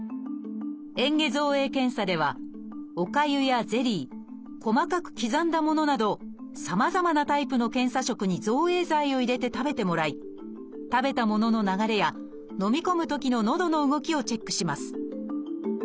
えん下造影検査ではおかゆやゼリー細かく刻んだものなどさまざまなタイプの検査食に造影剤を入れて食べてもらい食べたものの流れやのみ込むときののどの動きをチェックします